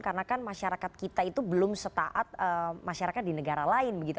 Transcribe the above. karena kan masyarakat kita itu belum setaat masyarakat di negara lain begitu